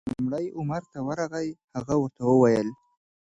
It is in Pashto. لومړی عمر ته ورغی، هغه ورته وویل: